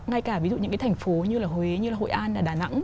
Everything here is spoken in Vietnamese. ngay cả ví dụ những cái thành phố như là huế như là hội an là đà nẵng